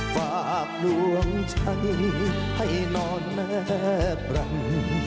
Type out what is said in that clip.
ฝากดวงใจให้นอนแม่บรรย์